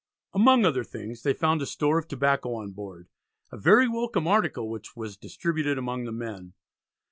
Among other things they found a store of tobacco on board, a very welcome article which was distributed among the men.